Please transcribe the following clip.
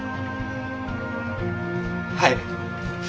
はい。